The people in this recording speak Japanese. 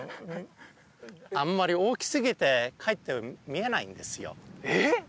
あんまり大きすぎてかえって見えないんですよえっ？